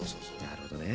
なるほどね。